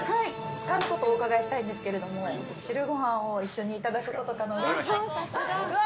つかぬことをお伺いしたいんですけど白いご飯を一緒にいただくこと可能ですか。